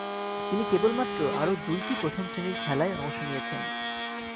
তিনি কেবলমাত্র আরও দুইটি প্রথম-শ্রেণীর খেলায় অংশ নিয়েছেন।